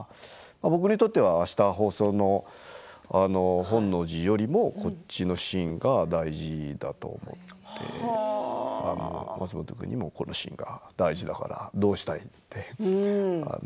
僕にとってはあした放送の本能寺よりもこっちのシーンが大事だと思って松本君にもこのシーンが大事だからどうしたい？って。